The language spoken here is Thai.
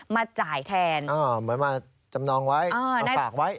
มาจ่ายแทนเหมือนมาจำนองไว้มาฝากไว้